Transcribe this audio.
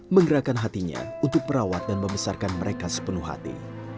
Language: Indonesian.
menggerakkan hatinya untuk merawat dan membesarkan mereka sepenuh hati